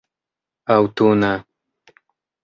aŭtuna